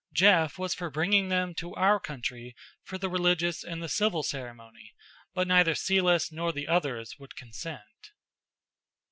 Jeff was for bringing them to our country for the religious and the civil ceremony, but neither Celis nor the others would consent.